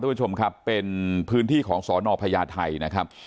ผู้ชมครับเป็นพื้นที่ของสนพญาไทยนะครับ